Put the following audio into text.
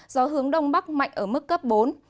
gió hướng đông bắc mạnh ở mức cấp bốn